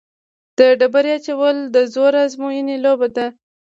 د ډبرې اچول د زور ازموینې لوبه ده.